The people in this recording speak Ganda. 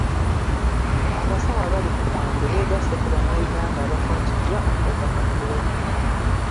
Abasawo abali ku mwanjo beegasse ku bannayuganda abakwatiddwa akawuka ka kolona..